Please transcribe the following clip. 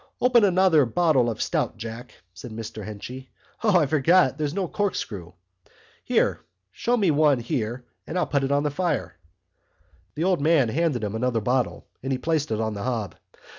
"Open another bottle of stout, Jack," said Mr Henchy. "O, I forgot there's no corkscrew! Here, show me one here and I'll put it at the fire." The old man handed him another bottle and he placed it on the hob.